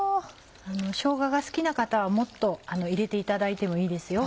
しょうがが好きな方はもっと入れていただいてもいいですよ